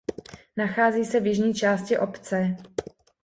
Nachází se v jižní části obce.